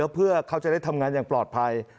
เพื่อเขาจะได้ทำงานอย่างปลอดภัย